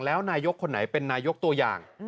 แล้วนายกคนไหนเป็นนายกตัวอย่าง